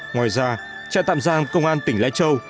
ngoài ra trại tạm giam công an tỉnh lai châu